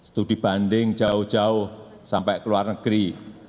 itu dibanding jauh jauh sampai ke luar negeri